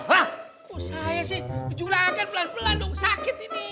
kok saya sih berjulangan pelan pelan dong sakit ini